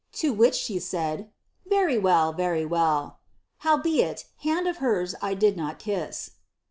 To which she said, ry well, very well.' Howbeit, hand of hers 1 did not kiss."